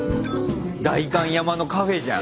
代官山のカフェじゃん。